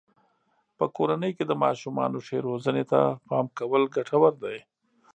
په کورنۍ کې د ماشومانو ښې روزنې ته پام کول ګټور دی.